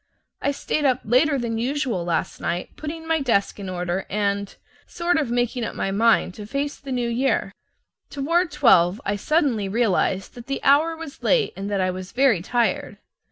I stayed up later than usual last night putting my desk in order and sort of making up my mind to face the New Year. Toward twelve I suddenly realized that the hour was late and that I was very tired.